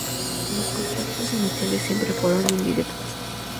Los contactos iniciales siempre fueron indirectos.